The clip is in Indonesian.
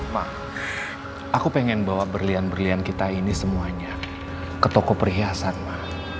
mak aku pengen bawa berlian berlian kita ini semuanya ke toko perhiasan pak